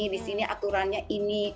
di sini aturannya ini